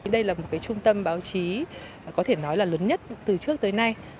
đây là một trung tâm báo chí có thể nói là lớn nhất từ trước tới nay